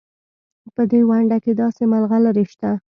په دې ونډه کې داسې ملغلرې شته.